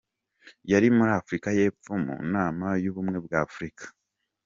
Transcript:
Yari muri Afrika y'epfo mu nama y' Ubumwe bwa Afrika.